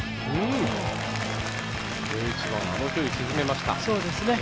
１１番、あの距離を沈めました。